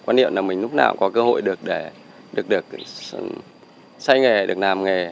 quan niệm là mình lúc nào có cơ hội được xây nghề được làm nghề